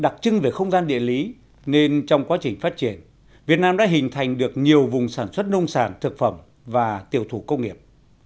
đặc trưng về không gian địa lý nên trong quá trình phát triển việt nam đã hình thành được nhiều vùng sản xuất nông sản thực phẩm và tiểu thủ công nghiệp